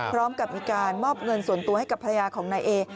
พร้อมกับมีการมอบเงินส่วนตัวให้กับภรรยาของนายเอ